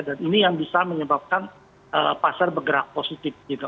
dan ini yang bisa menyebabkan pasar bergerak positif gitu